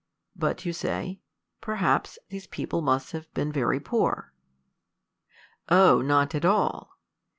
But you say, perhaps, these people must have been very poor. O, not at all.